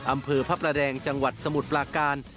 อำเภอพระประแดงจังหวัดสมุทรปลาการ